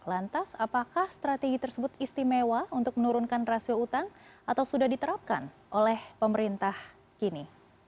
lantas apakah strategi tersebut istimewa untuk menurunkan rasio utang atau sudah diterapkan oleh pemerintah kini